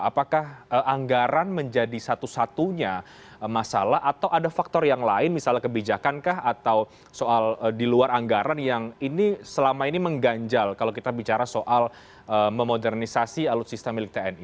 apakah anggaran menjadi satu satunya masalah atau ada faktor yang lain misalnya kebijakan kah atau soal di luar anggaran yang ini selama ini mengganjal kalau kita bicara soal memodernisasi alutsista milik tni